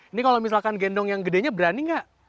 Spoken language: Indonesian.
ini kalau misalkan gendong yang gedenya berani nggak